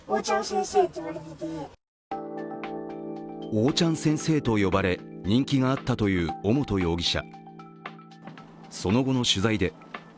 おーちゃん先生と呼ばれ人気があったという尾本容疑者。